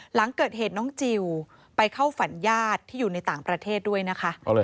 หลังเกิดเหตุน้องจิลไปเข้าฝันญาติที่อยู่ในต่างประเทศด้วยนะคะ